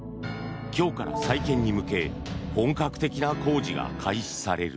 今日から再建に向け本格的な工事が開始される。